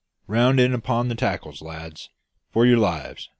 "Round in upon the tackles, lads, for your lives!"